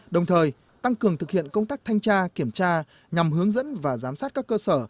đồng thời tăng cường thực hiện công tác thanh tra kiểm tra nhằm hướng dẫn và giám sát các cơ sở